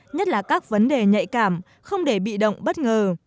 nhất là các vấn đề nhạy cảm không để bị động bất ngờ